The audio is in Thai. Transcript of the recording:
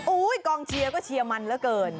กองเชียร์ก็เชียร์มันเหลือเกิน